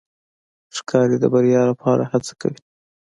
ښکاري د بریا لپاره هڅه کوي.